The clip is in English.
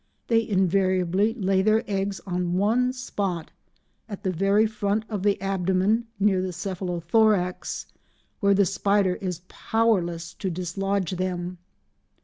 They invariably lay their eggs on one spot—at the very front of the abdomen, near the cephalothorax, where the spider is powerless to dislodge them.